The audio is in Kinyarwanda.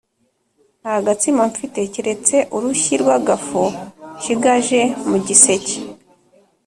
nta gatsima mfite keretse urushyi rw’agafu nshigaje mu giseke